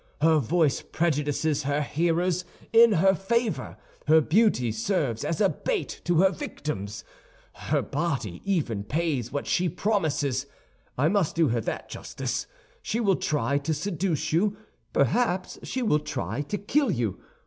Her voice prejudices her hearers in her favor; her beauty serves as a bait to her victims; her body even pays what she promises—I must do her that justice. She will try to seduce you, perhaps she will try to kill you.